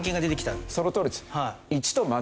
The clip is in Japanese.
そのとおりです。